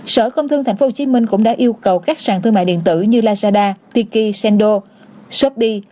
sở công thương tp hcm cũng đã yêu cầu các sàn thương mại điện tử như lazada tiki sendo shopee